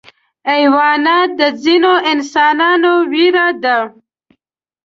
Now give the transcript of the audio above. حیوانات د ځینو انسانانو ویره ده.